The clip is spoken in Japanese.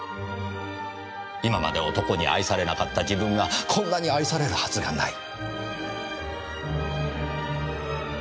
今まで男に愛されなかった自分がこんなに愛されるはずがない。